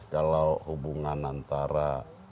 kalau hubungan antara